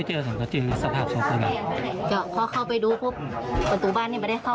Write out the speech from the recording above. มาก่อนเลือดเหมือนตามปีหุดอ่ะค่ะ